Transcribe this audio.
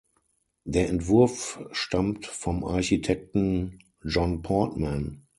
Der Entwurf stammt vom Architekten John Portman.